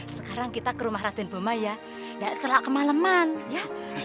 sekarang kita ke rumah raden boma ya setelah kemaleman ya